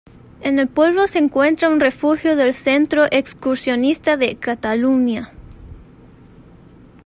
En el pueblo se encuentra un refugio del centro excursionista de Catalunya.